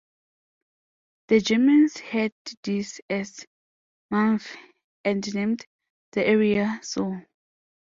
The Germans heard this as "Mamfe" and named the area so.